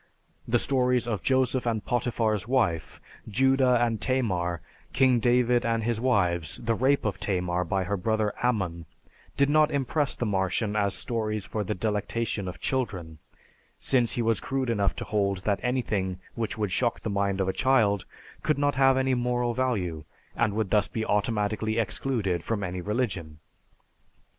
The stories of Joseph and Potiphar's wife, Judah and Tamar, King David and his wives, the rape of Tamar by her brother Ammon, did not impress the Martian as stories for the delectation of children, since he was crude enough to hold that anything which would shock the mind of a child, could not have any moral value and would thus be automatically excluded from any religion.